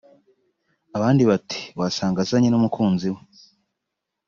abandi bati wasanga azanye n’umukunzi we